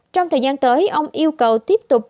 trong thời gian tới ông yêu cầu tiếp tục